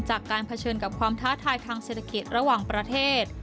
จากการเผชิญกับความท้าทายทางเศรษฐกิจระหว่างประเทศ